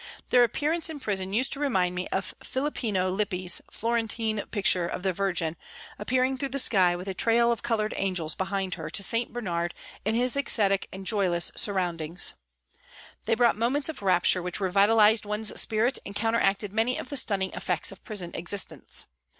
Their appearance in prison used to remind me of Filippino Lippi's Florentine picture of the Virgin appearing through the sky with a trail of coloured angels behind her to St. Bernard in his ascetic and joyless surroundings. They brought moments of rapture which revitalised one's spirit and counteracted many of the stunning effects of prison existence.